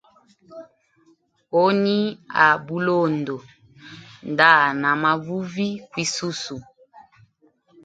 Honi a bulondo nda hana mavuvi kwisusu.